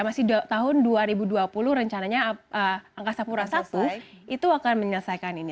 masih tahun dua ribu dua puluh rencananya angkasa pura i itu akan menyelesaikan ini